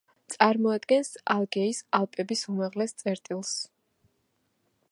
წარმოადგენს ალგეის ალპების უმაღლეს წერტილს.